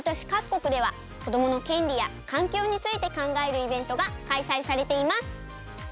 こくではこどものけんりやかんきょうについてかんがえるイベントがかいさいされています。